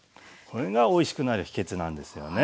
これがおいしくなる秘けつなんですよね。